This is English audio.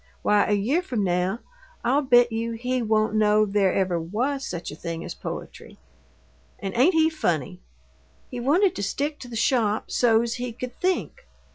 Why, a year from now I'll bet you he won't know there ever WAS such a thing as poetry! And ain't he funny? He wanted to stick to the shop so's he could 'think'!